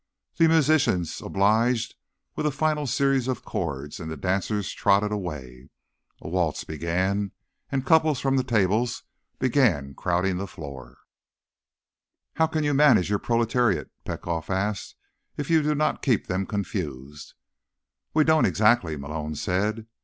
The musicians obliged with a final series of chords and the dancers trotted away. A waltz began, and couples from the tables began crowding the floor. "How can you manage the proletariat," Petkoff asked, "if you do not keep them confused?" "We don't, exactly," Malone said.